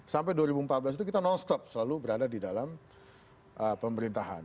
sampai dua ribu empat belas itu kita non stop selalu berada di dalam pemerintahan